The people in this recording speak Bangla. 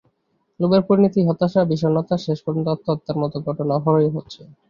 লোভের পরিণতিতে হতাশা, বিষণ্নতা, শেষ পর্যন্ত আত্মহত্যার মতো ঘটনা অহরহই হচ্ছে।